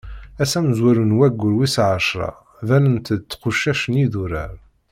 Ass amezwaru n waggur wis ɛecṛa, banent-d tqucac n idurar.